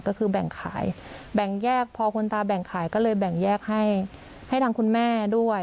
ก็คือแบ่งขายแบ่งแยกพอคุณตาแบ่งขายก็เลยแบ่งแยกให้ให้ทางคุณแม่ด้วย